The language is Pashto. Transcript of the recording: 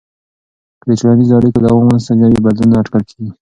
که د ټولنیزو اړیکو دوام ونه سنجوې، بدلون نه اټکل کېږي.